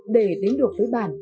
để đến được với bản